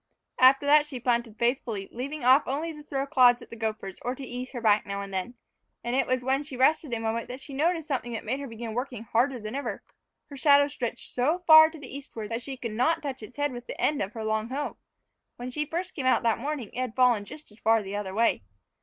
After that she planted faithfully, leaving off only to throw clods at the gophers, or to ease her back now and then. And it was when she was resting a moment that she noticed something that made her begin working harder than ever. Her shadow stretched out so far to the eastward that she could not touch its head with the end of her long hoe. When she first came out that morning, it had fallen just as far the other way.